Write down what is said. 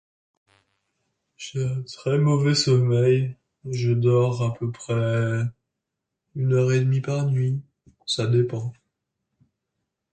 J'ai très mauvais sommeil, je dors un peu près une heure et demi par nuit, ça dépend.